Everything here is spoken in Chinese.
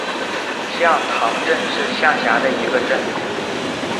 向塘镇是下辖的一个镇。